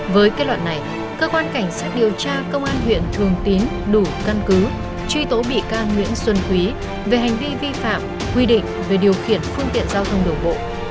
với kết luận này cơ quan cảnh sát điều tra công an huyện thường tín đủ căn cứ truy tố bị can nguyễn xuân quý về hành vi vi phạm quy định về điều khiển phương tiện giao thông đường bộ